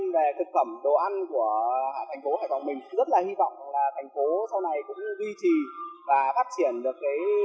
về hải phòng về văn hóa